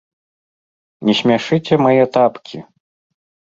Не смяшыце мае тапкі!